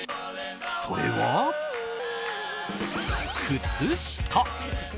それは、靴下。